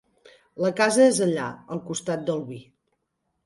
La casa és allà, al costat del vi.